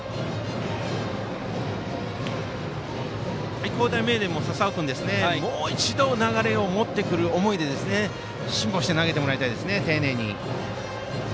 愛工大名電も笹尾君もう一度流れを持ってくるような思いで辛抱して丁寧に投げてもらいたいです。